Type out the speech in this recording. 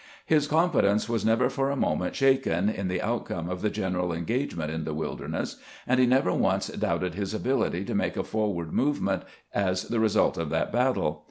His confidence was never for a moment shaken in the outcome of the general engagement in the Wilderness, and he never once doubted his ability to make a forward movement as the result of that battle.